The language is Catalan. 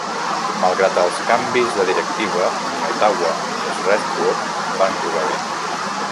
Malgrat els canvis de directiva ni Ottawa ni Shreveport van jugar bé.